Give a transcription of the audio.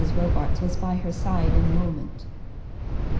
Robarts was by her side in a moment.